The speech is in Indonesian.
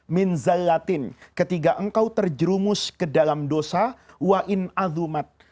minzallatin ketika engkau terjerumus ke dalam dosa wa in azumat